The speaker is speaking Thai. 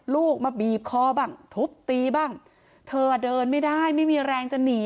ลูกมาบีบคอบ้างทุบตีบ้างเธอเดินไม่ได้ไม่มีแรงจะหนี